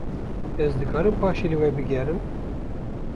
Ez dikarim paşê li we bigerim?